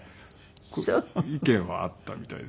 意見はあったみたいですけど。